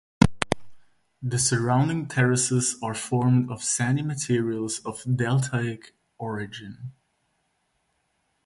The surrounding terraces are formed of sandy materials of deltaic origin.